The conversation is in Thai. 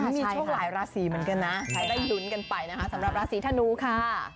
ใช่ค่ะหลายราศีเหมือนกันนะให้ได้ลุ้นกันไปนะคะสำหรับราศีธนูค่ะ